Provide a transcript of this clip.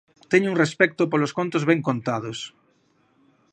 Teño un respecto polos contos ben contados!